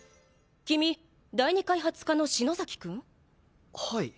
君第二開発課の篠崎くん？はい。